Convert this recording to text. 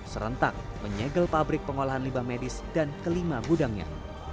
serentak menyegel pabrik pengolahan limbah medis dan kelima gudangnya